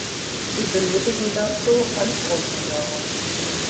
Sie benötigen dazu eine Stromversorgung.